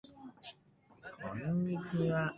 レオン県の県都はレオンである